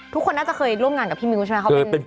ทุกคนน่าจะเคยร่วมงานกับพี่มิ้วใช่ไหม